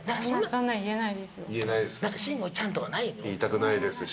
そんな言えないですよ。